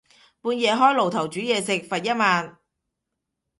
半夜開爐頭煮嘢食，罰一萬